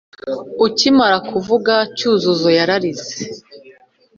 Ukimara kuvuka Cyuzuzo yararize